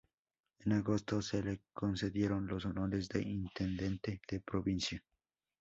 En agosto se le concedieron los honores de intendente de provincia.